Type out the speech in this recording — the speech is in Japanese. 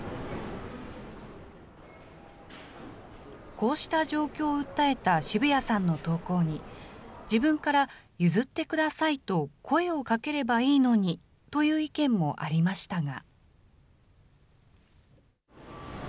こうした状況を訴えた渋谷さんの投稿に、自分から譲ってくださいと声をかければいいのにという意見もありましたが。